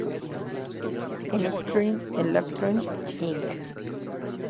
En Stern Electronics, Inc.